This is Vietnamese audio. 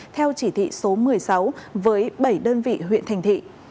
theo chỉ thị số một mươi sáu với bảy đơn vị huyện thành thị